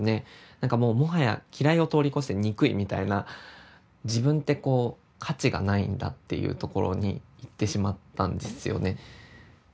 なんかもうもはや嫌いを通り越して憎いみたいな自分ってこう価値がないんだっていうところに行ってしまったんですよね。